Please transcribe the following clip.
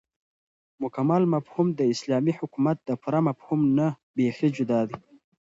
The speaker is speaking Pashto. مكمل مفهوم داسلامي حكومت دپوره مفهوم نه بيخي جدا دى